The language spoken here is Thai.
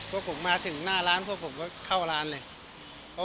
พวกผมมาถึงหน้าร้านพวกผมก็เข้าร้านเลย